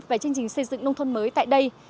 về chương trình xây dựng nông thôn mới tại đây